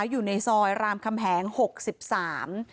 อยู่ในซอยรามคำแหงหกสิบสาม